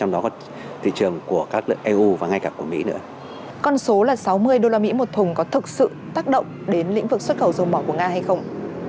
sáu mươi đô la mỹ một thùng có thực sự tác động đến lĩnh vực xuất khẩu dầu mỏ của nga hay không